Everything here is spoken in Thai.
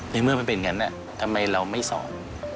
ในเมื่อมันเป็นอย่างนั้นทำไมเราไม่สอน